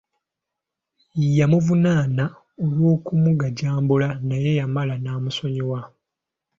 Yamuvunaana olw'okumugajambula naye yamala n'amusonyiwa.